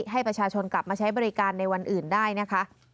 ให้ประชาชนกลับมาใช้บริการในวันอื่นได้นะคะ